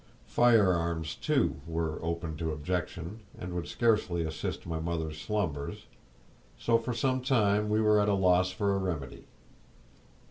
Firearms too were open to objection, and would scarcely assist my mother's slumbers; so for some time we were at a loss for a remedy.